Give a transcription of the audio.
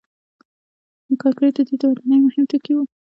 کانکریټ د دوی د ودانیو مهم توکي وو.